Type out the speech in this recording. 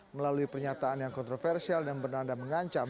melalui pernyataan yang kontroversial dan bernanda mengancam